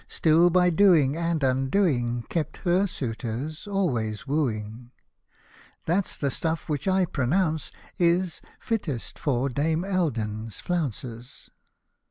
Still by doing and undoing, Kept her suitors always wooing — That's the stuff which I pronounce, is Fittest for Dame Eld — n's flounces.